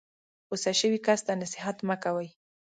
غسه شوي کس ته نصیحت مه کوئ.